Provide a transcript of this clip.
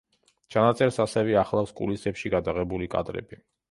ჩანაწერს ასევე ახლავს კულისებში გადაღებული კადრები.